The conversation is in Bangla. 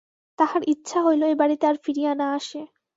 তাহার ইচ্ছা হইল এ বাড়িতে আর ফিরিয়া না আসে।